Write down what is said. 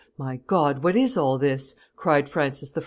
"My God, what is all this!" cried Francis I.